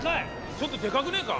ちょっとでかくねぇか？